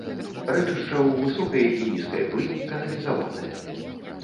Рэчышча ў высокай і нізкай плыні каналізаванае.